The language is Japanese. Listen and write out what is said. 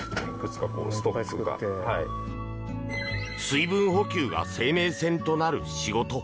水分補給が生命線となる仕事。